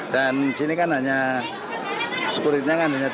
dan di sini kan hanya sekuritnya kan hanya tujuh belas